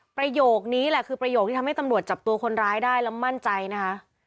ประโยคนี้แหละคือประโยคที่ทำให้ตำรวจจับตัวคนร้ายได้แล้วมั่นใจนะคะ